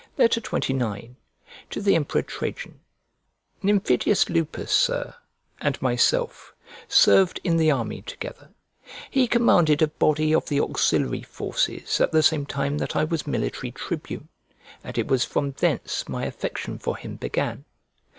XXIX To THE EMPEROR TRAJAN NYMPHIDIUS Lupus, Sir, and myself, served in the army together; he commanded a body of the auxiliary forces at the same time that I was military tribune; and it was from thence my affection for him began.